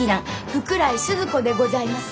福来スズ子でございます。